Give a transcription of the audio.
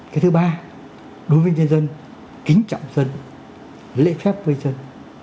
cái thứ ba đối với nhân dân kính trọng dân lễ phép với dân